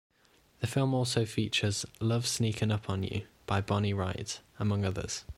The film also features "Love Sneakin' Up On You" by Bonnie Raitt, among others.